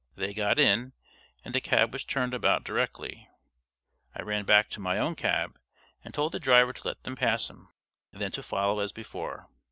They got in, and the cab was turned about directly. I ran back to my own cab and told the driver to let them pass him, and then to follow as before.